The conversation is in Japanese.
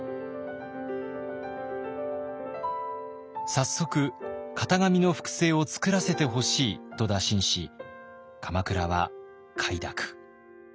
早速型紙の複製を作らせてほしいと打診し鎌倉は快諾。